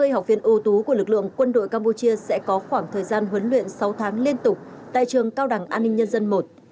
sáu mươi học viên ưu tú của lực lượng quân đội campuchia sẽ có khoảng thời gian huấn luyện sáu tháng liên tục tại trường cao đẳng an ninh nhân dân i